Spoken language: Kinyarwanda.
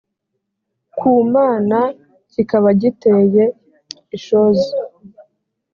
ku mana kiba giteye ishozi